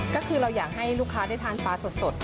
ก็คือเราอยากให้ลูกค้าได้ทานปลาสด